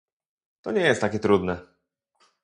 To nie jest takie trudne.